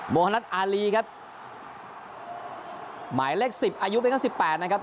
โมฮนัทอารีครับหมายเลขสิบอายุเป็นแค่สิบแปดนะครับ